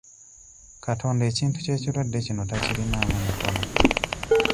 Katonda ekintu ky'ekirwadde kino takirinaamu mukono.